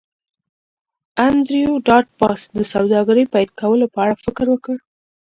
انډریو ډاټ باس د سوداګرۍ پیل کولو په اړه فکر وکړ